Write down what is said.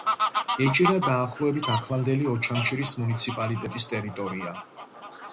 ეჭირა დაახლოებით ახლანდელი ოჩამჩირის მუნიციპალიტეტის ტერიტორია.